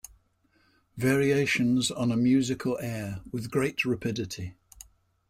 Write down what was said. Variations on a musical air With great rapidity.